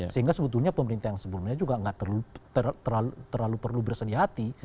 sehingga sebetulnya pemerintah yang sebelumnya juga nggak terlalu perlu bersedih hati